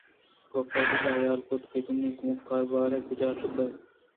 کاف دل ءَ حیال کُت کہ دومی کمکار باریں کجا شتگ